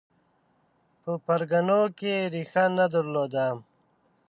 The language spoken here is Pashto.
په پرګنو کې ریښه نه درلوده